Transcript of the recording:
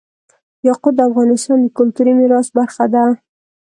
یاقوت د افغانستان د کلتوري میراث برخه ده.